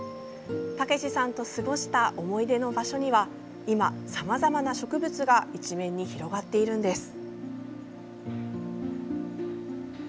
武さんと過ごした思い出の場所には今、さまざまな植物が一面に広がっているんです。